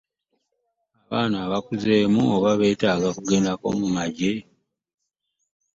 Abaana abakuzeemu oba beetaaga kugendako mu magye?